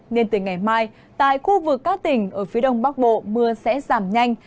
nên từ ngày mai tại khu vực các tỉnh ở phía đông bắc bộ mưa sẽ giảm nhanh